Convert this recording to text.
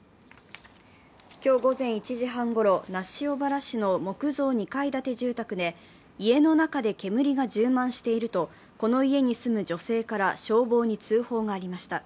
今日午前１時半ごろ、那須塩原市の木造２階建て住宅で家の中で煙が充満しているとこの家に住む女性から消防に通報がありました。